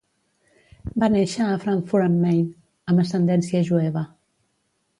Va néixer a Frankfurt am Main, amb ascendència jueva.